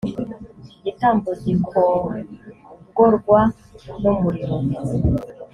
igitambo gikongorwa n ‘umuriro .